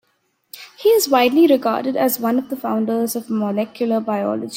He is widely regarded as one of the founders of molecular biology.